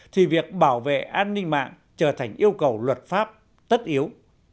thì việc bảo vệ an ninh mạng trở thành yêu cầu luật pháp tất yếu